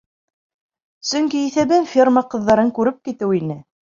Сөнки иҫәбем ферма ҡыҙҙарын күреп китеү ине.